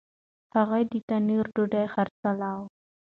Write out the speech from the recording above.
هغه د تنار ډوډۍ خرڅلاوه. .